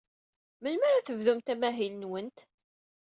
Melmi ara tebdumt amahil-nwent?